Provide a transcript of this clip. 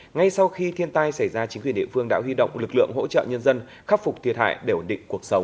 ngay sau khi thiên tai xảy ra chính quyền địa phương đã huy động lực lượng hỗ trợ nhân dân khắc phục thiệt hại để ổn định cuộc sống